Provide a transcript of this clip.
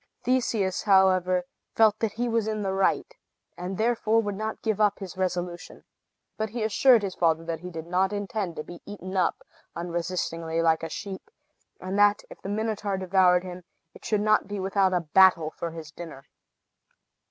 Theseus, however, felt that he was in the right, and therefore would not give up his resolution. But he assured his father that he did not intend to be eaten up, unresistingly, like a sheep, and that, if the Minotaur devoured him, it should not be without a battle for his dinner.